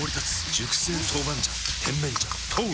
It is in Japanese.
熟成豆板醤甜麺醤豆！